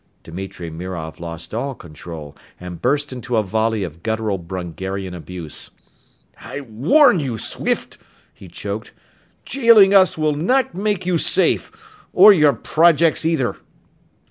Dimitri Mirov lost all control and burst into a volley of guttural Brungarian abuse. "I warn you, Swift!" he choked. "Jailing us will not make you safe or your projects, either!"